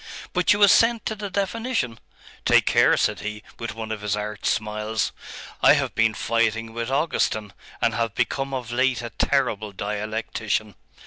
But you assent to the definition? Take care!' said he, with one of his arch smiles, 'I have been fighting with Augustine, and have become of late a terrible dialectician.